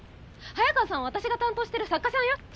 早川さんは私が担当してる作家さんよ？